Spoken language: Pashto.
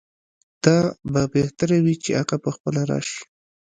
دا به بهتره وي چې هغه پخپله راشي.